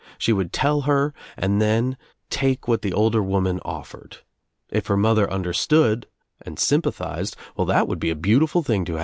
She would tell her and then take what the older woman offered. If her mother understood and sympathized, well that would be a beautiful thing to.